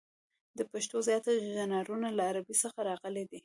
د پښتو زیات ژانرونه له عربي څخه راغلي دي.